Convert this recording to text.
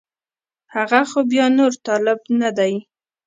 هغه خو بیا نور طالب نه دی